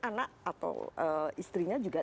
anak atau istrinya juga